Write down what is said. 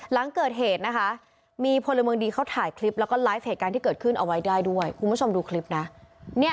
หลังเกิดเหตุนะคะมีประตูคมงโลงโลหยายเขาถ่ายคลิปแล้วก็ไลฟ์ของการที่เกิดขึ้นเอาไว้ได้ด้วยคุณสมดุคลิปน่ะเนี่ย